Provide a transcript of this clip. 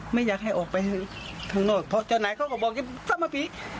ไม่อยากให้ออกไปทั้งโน่นเจ้านายเขาก็บอกยังสั้นมาผี